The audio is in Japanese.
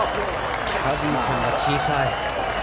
キャディーさんが小さい。